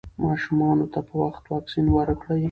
ماشومانو ته په وخت واکسین ورکړئ.